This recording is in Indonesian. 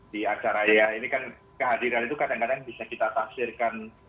di aksaraya ini kan kehadiran itu kadang kadang bisa kita taksirkan